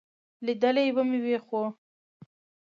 لیدلی به مې وي، خو ...